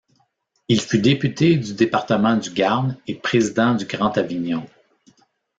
Il fût député du département du Gard et président du Grand Avignon.